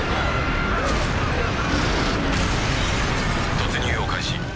突入を開始。